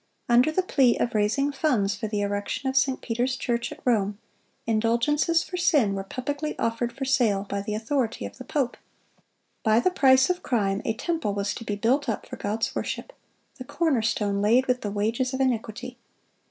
Under the plea of raising funds for the erection of St. Peter's church at Rome, indulgences for sin were publicly offered for sale by the authority of the pope. By the price of crime a temple was to be built up for God's worship,—the corner stone laid with the wages of iniquity!